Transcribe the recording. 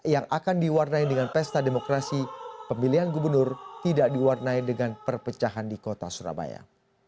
yang akan diwarnai dengan pesta demokrasi pemilihan gubernur tidak diwarnai dengan perpecahan di kota surabaya